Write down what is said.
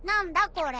これ。